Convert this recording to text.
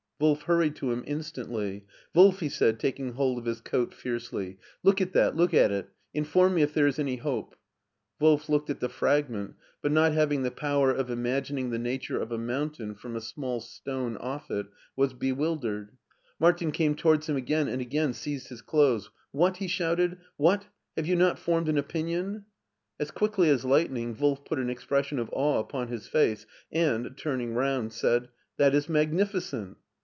Wnlf hurried to him instantlv. " Wolf,'' he said, taking hold of his cosi fiercely, SCHWARZWALD 259 "look at that, lode at it; inform me if there is any hope/' Wolf looked at the fragment, but not having the power of imagining the nature of a mountain from a small stone off it, was bewildered. Martin came towards him again, and again seized his clothes. "What!" he shouted, "What! Have you not formed an opinion ?" As quickly as lightning Wolf put an expression of awe upon his face and, turning around, said :" That is magnificent."